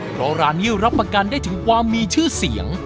เพราะร้านนี้รับประกันได้ถึงความมีชื่อเสียง